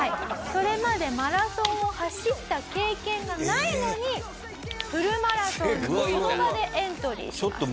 それまでマラソンを走った経験がないのにフルマラソンにその場でエントリーします。